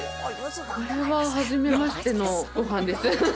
これははじめましてのごはんです。